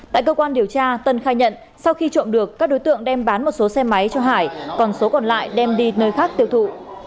tại cơ quan điều tra tân khai nhận sau khi trộm được các đối tượng đem bán một số xe máy cho hải còn số còn lại đem đi nơi khác tiêu thụ